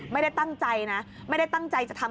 ไม่ได้ตั้งใจนะไม่ได้ตั้งใจจะทำ